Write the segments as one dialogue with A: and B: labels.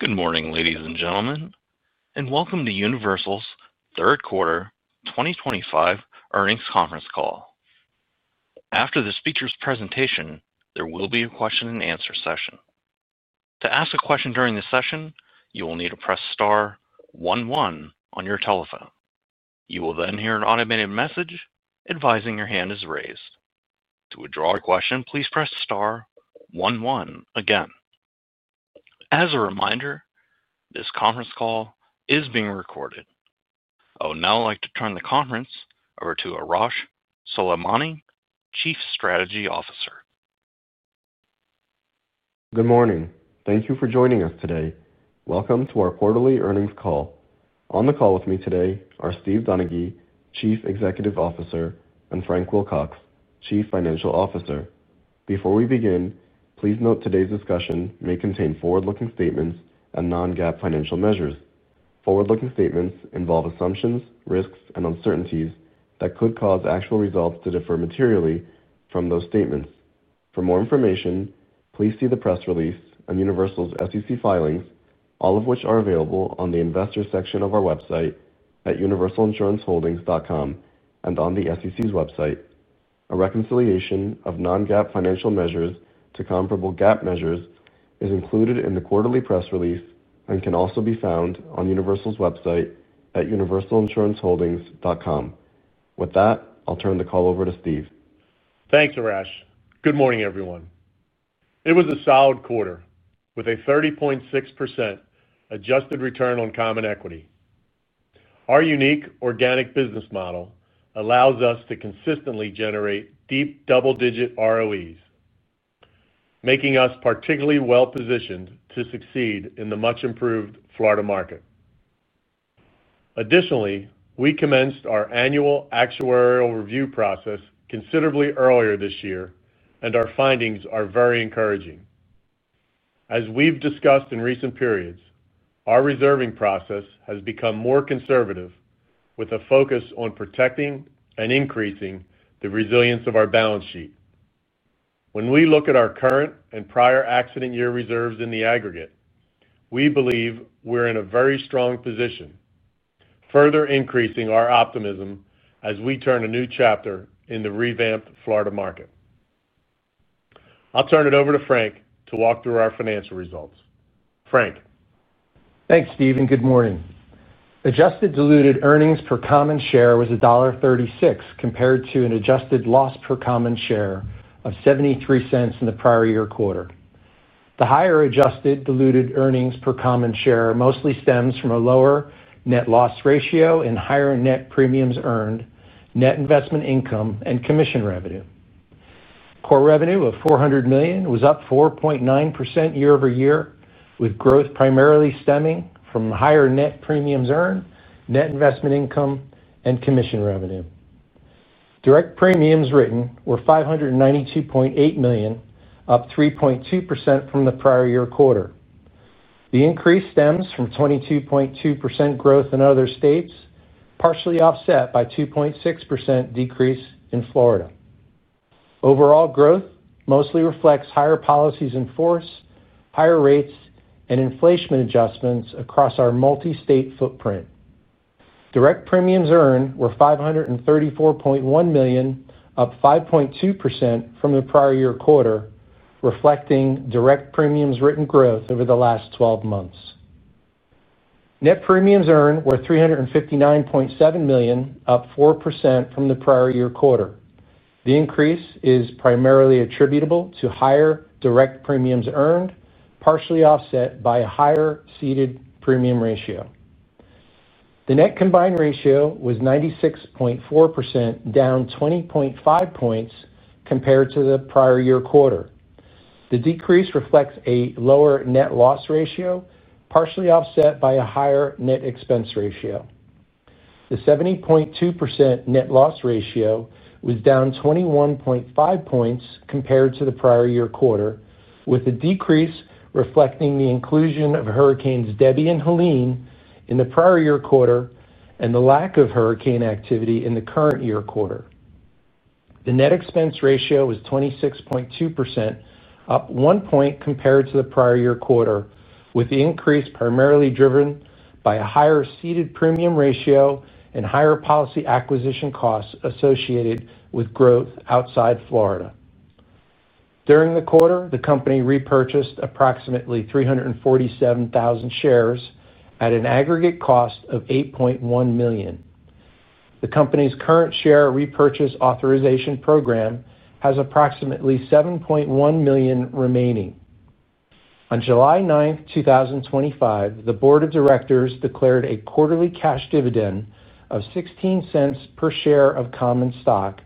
A: Good morning, ladies and gentlemen, and welcome to Universal's third quarter 2025 earnings conference call. After the speaker's presentation, there will be a question and answer session. To ask a question during the session, you will need to press star 11 on your telephone. You will then hear an automated message advising your hand is raised. To withdraw your question, please press star one one again. As a reminder, this conference call is being recorded. I would now like to turn the conference over to Arash Soleimani, Chief Strategy Officer.
B: Good morning. Thank you for joining us today. Welcome to our quarterly earnings call. On the call with me today are Steve Donaghy, Chief Executive Officer, and Frank Wilcox, Chief Financial Officer. Before we begin, please note today's discussion may contain forward-looking statements and non-GAAP financial measures. Forward-looking statements involve assumptions, risks, and uncertainties that could cause actual results to differ materially from those statements. For more information, please see the press release on Universal's SEC filings, all of which are available on the investor section of our website at universalinsuranceholdings.com and on the SEC's website. A reconciliation of non-GAAP financial measures to comparable GAAP measures is included in the quarterly press release and can also be found on Universal's website at universalinsuranceholdings.com. With that, I'll turn the call over to Steve.
C: Thanks, Arash. Good morning, everyone. It was a solid quarter with a 30.6% adjusted return on common equity. Our unique organic business model allows us to consistently generate deep double-digit ROEs, making us particularly well-positioned to succeed in the much-improved Florida market. Additionally, we commenced our annual actuarial review process considerably earlier this year, and our findings are very encouraging. As we've discussed in recent periods, our reserving process has become more conservative with a focus on protecting and increasing the resilience of our balance sheet. When we look at our current and prior accident year reserves in the aggregate, we believe we're in a very strong position, further increasing our optimism as we turn a new chapter in the revamped Florida market. I'll turn it over to Frank to walk through our financial results. Frank.
D: Thanks, Steve, and good morning. Adjusted diluted earnings per common share was $1.36 compared to an adjusted loss per common share of $0.73 in the prior year quarter. The higher adjusted diluted earnings per common share mostly stems from a lower net loss ratio, higher net premiums earned, net investment income, and commission revenue. Core revenue of $400 million was up 4.9% year over year, with growth primarily stemming from higher net premiums earned, net investment income, and commission revenue. Direct premiums written were $592.8 million, up 3.2% from the prior year quarter. The increase stems from 22.2% growth in other states, partially offset by a 2.6% decrease in Florida. Overall growth mostly reflects higher policies in force, higher rates, and inflation adjustments across our multi-state footprint. Direct premiums earned were $534.1 million, up 5.2% from the prior year quarter, reflecting direct premiums written growth over the last 12 months. Net premiums earned were $359.7 million, up 4% from the prior year quarter. The increase is primarily attributable to higher direct premiums earned, partially offset by a higher ceded premium ratio. The net combined ratio was 96.4%, down 20.5 points compared to the prior year quarter. The decrease reflects a lower net loss ratio, partially offset by a higher net expense ratio. The 70.2% net loss ratio was down 21.5 points compared to the prior year quarter, with a decrease reflecting the inclusion of hurricanes Debbie and Helene in the prior year quarter and the lack of hurricane activity in the current year quarter. The net expense ratio was 26.2%, up one point compared to the prior year quarter, with the increase primarily driven by a higher ceded premium ratio and higher policy acquisition costs associated with growth outside Florida. During the quarter, the company repurchased approximately 347,000 shares at an aggregate cost of $8.1 million. The company's current share repurchase authorization program has approximately $7.1 million remaining. On July 9, 2025, the board of directors declared a quarterly cash dividend of $0.16 per share of common stock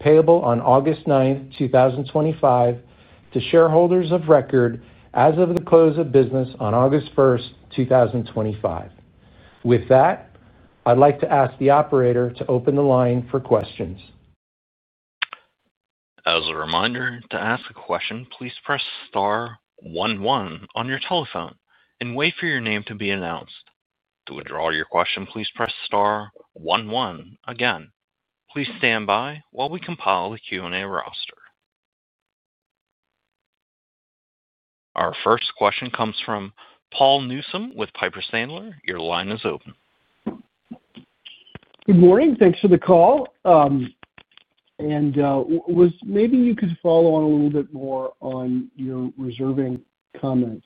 D: payable on August 9, 2025, to shareholders of record as of the close of business on August 1, 2025. With that, I'd like to ask the operator to open the line for questions.
A: As a reminder, to ask a question, please press star one one on your telephone and wait for your name to be announced. To withdraw your question, please press star 11 again. Please stand by while we compile the Q&A roster. Our first question comes from Paul Newsome with Piper Sandler. Your line is open.
E: Good morning. Thanks for the call. Maybe you could follow on a little bit more on your reserving comment.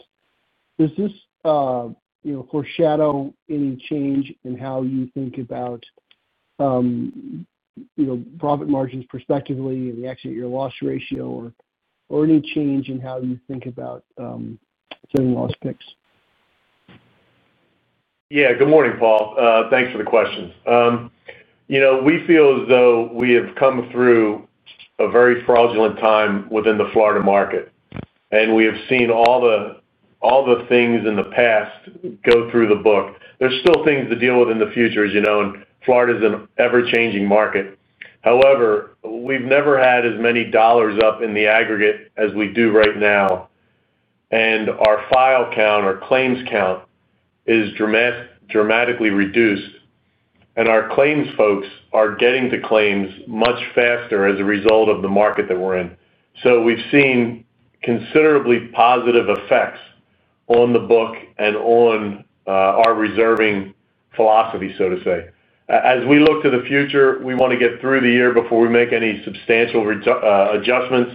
E: Does this foreshadow any change in how you think about profit margins perspectively and the exit year loss ratio or any change in how you think about setting loss picks?
C: Good morning, Paul. Thanks for the question. We feel as though we have come through a very fraudulent time within the Florida market, and we have seen all the things in the past go through the book. There's still things to deal with in the future, as you know, and Florida is an ever-changing market. However, we've never had as many dollars up in the aggregate as we do right now. Our file count, our claims count is dramatically reduced, and our claims folks are getting to claims much faster as a result of the market that we're in. We've seen considerably positive effects on the book and on our reserving philosophy, so to say. As we look to the future, we want to get through the year before we make any substantial adjustments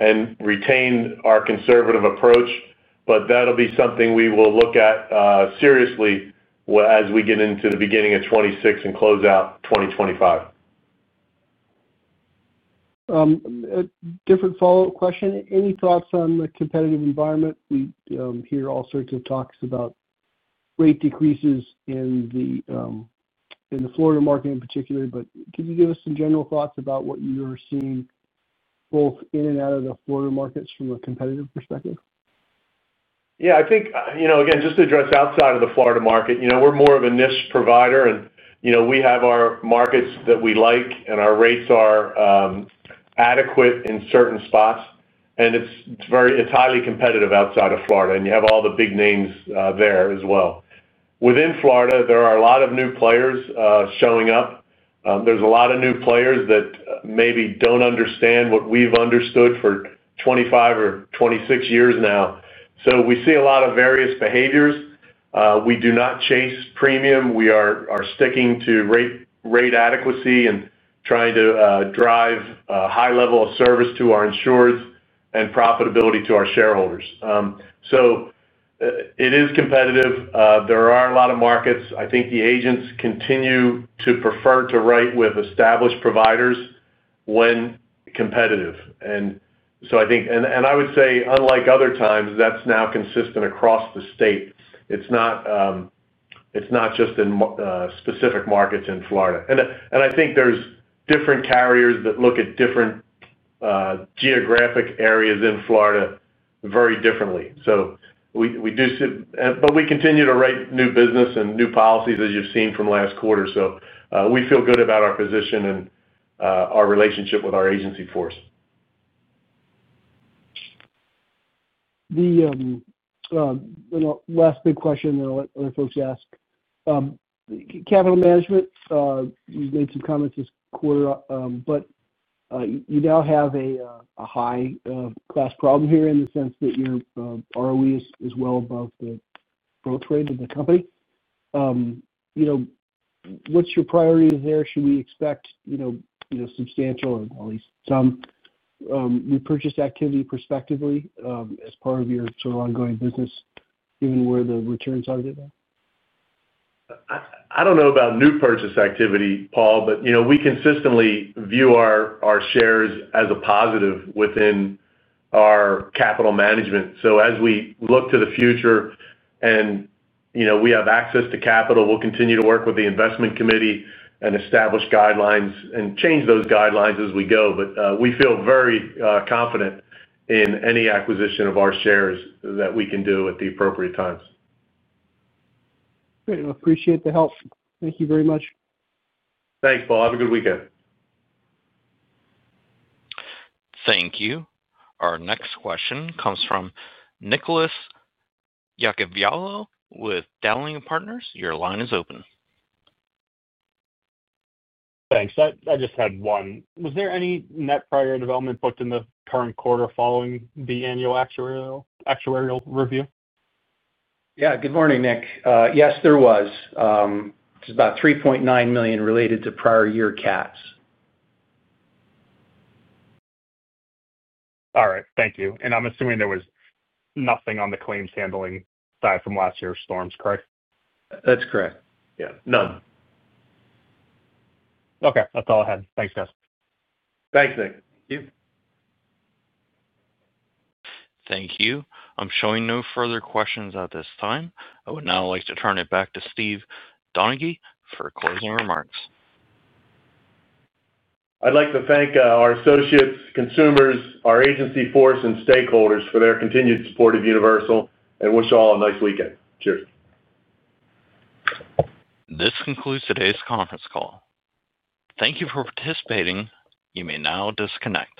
C: and retain our conservative approach. That'll be something we will look at seriously as we get into the beginning of 2026 and close out 2025.
E: A different follow-up question. Any thoughts on the competitive environment? We hear all sorts of talks about rate decreases in the Florida market in particular, but could you give us some general thoughts about what you're seeing both in and out of the Florida markets from a competitive perspective?
C: Yeah. I think, you know, just to address outside of the Florida market, we're more of a niche provider, and we have our markets that we like, and our rates are adequate in certain spots. It's highly competitive outside of Florida, and you have all the big names there as well. Within Florida, there are a lot of new players showing up. There are a lot of new players that maybe don't understand what we've understood for 25 or 26 years now. We see a lot of various behaviors. We do not chase premium. We are sticking to rate adequacy and trying to drive a high level of service to our insureds and profitability to our shareholders. It is competitive. There are a lot of markets. I think the agents continue to prefer to write with established providers when competitive. I would say, unlike other times, that's now consistent across the state. It's not just in specific markets in Florida. I think there's different carriers that look at different geographic areas in Florida very differently. We do, but we continue to write new business and new policies, as you've seen from last quarter. We feel good about our position and our relationship with our agency force.
E: The last big question that I'll let other folks ask. Capital management, you made some comments this quarter, but you now have a high class problem here in the sense that your ROE is well above the growth rate of the company. What's your priority there? Should we expect substantial or at least some repurchase activity perspectively as part of your sort of ongoing business given where the returns are?
C: I don't know about new purchase activity, Paul, but we consistently view our shares as a positive within our capital management. As we look to the future and we have access to capital, we'll continue to work with the investment committee and establish guidelines and change those guidelines as we go. We feel very confident in any acquisition of our shares that we can do at the appropriate times.
E: Great. I appreciate the help. Thank you very much.
C: Thanks, Paul. Have a good weekend.
A: Thank you. Our next question comes from Nicolas Iacoviello with Dowling & Partners Securities. Your line is open.
F: Thanks. I just had one. Was there any net prior year catastrophe development booked in the current quarter following the annual actuarial review?
D: Yeah. Good morning, Nick. Yes, there was. It's about $3.9 million related to prior year catastrophe development.
F: All right. Thank you. I'm assuming there was nothing on the claims handling side from last year's storms, correct?
D: That's correct.
F: Yeah. None. Okay. That's all I had. Thanks, guys.
C: Thanks, Nick.
D: Thank you.
A: Thank you. I'm showing no further questions at this time. I would now like to turn it back to Steve Donaghy for closing remarks.
C: I'd like to thank our associates, consumers, our agency force, and stakeholders for their continued support of Universal and wish you all a nice weekend. Cheers.
A: This concludes today's conference call. Thank you for participating. You may now disconnect.